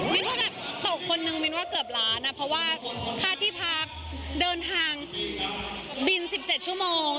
ว่าแบบตกคนนึงมินว่าเกือบล้านอ่ะเพราะว่าค่าที่พักเดินทางบิน๑๗ชั่วโมง